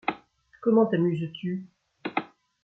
Comment t’amuses-tu ?